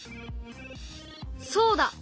そうだ！